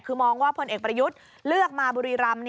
คือมองว่าพลเอกประยุทธ์เลือกมาบุรีรำ